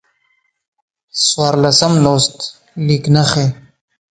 څوارلسم لوست: لیک نښې